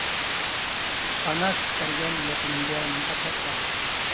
ئانا سۈت بەرگەن ۋەتىنىڭگە مۇھەببەت باغلا.